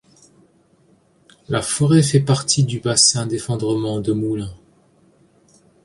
La forêt fait partie du bassin d'effondrement de Moulins.